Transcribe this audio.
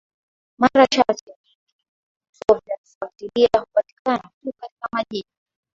chache mara nyingi vituo vya kufuatilia hupatikana tu katika majiji